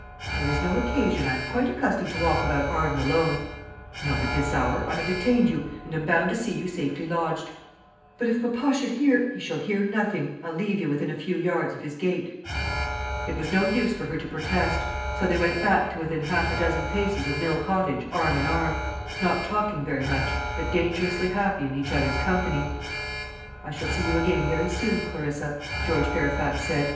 "There is no occasion. I am quite accustomed to walk about Arden alone." "Not at this hour. I have detained you, and am bound to see you safely lodged." "But if papa should hear " "He shall near nothing. I'll leave you within a few yards of his gate." It was no use for her to protest; so they went back to within half a dozen paces of Mill Cottage arm in arm; not talking very much, but dangerously happy in each other's company. "I shall see you again very soon, Clarissa," George Fairfax said.